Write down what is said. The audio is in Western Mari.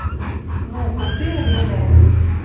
«Ну, кыце ӹленӓ